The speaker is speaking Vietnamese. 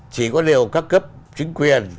chỉ có điều các cấp chính quyền